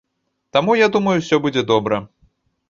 Таму, я думаю, усё будзе добра.